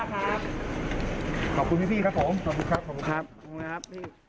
ขอบคุณพี่ครับผมครับ